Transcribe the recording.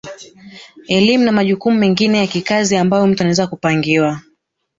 Elimu na majukumu mengine ya kikazi ambayo mtu anaweza kupangiwa